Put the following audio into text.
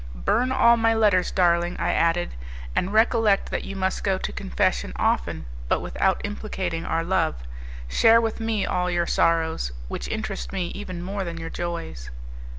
"Burn all my letters, darling," I added, "and recollect that you must go to confession often, but without implicating our love. Share with me all your sorrows, which interest me even more than your joys."